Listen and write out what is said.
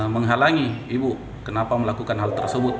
menghalangi ibu kenapa melakukan hal tersebut